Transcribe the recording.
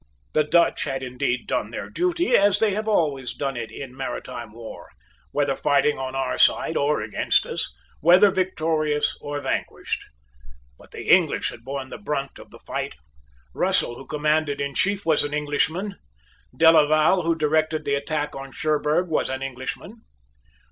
The Dutch had indeed done their duty, as they have always done it in maritime war, whether fighting on our side or against us, whether victorious or vanquished. But the English had borne the brunt of the fight. Russell who commanded in chief was an Englishman. Delaval who directed the attack on Cherburg was an Englishman.